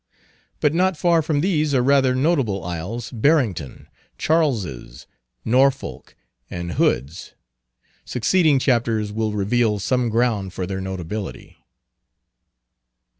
But not far from these are rather notable isles—Barrington, Charles's, Norfolk, and Hood's. Succeeding chapters will reveal some ground for their notability.